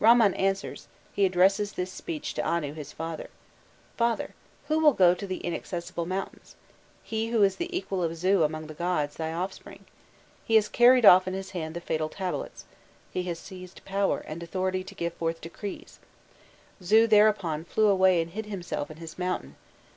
Bamman answers, he addresses this bpeech to Anu his father: 'Father, who will go to the inaccessible mountains? Who is the equal of Zu among the gods, thy offspring? He has carried off in his hand the fatal tablets, he has seized power and authority to give forth decrees, Zu thereupon flew away and hid himself in his mountain.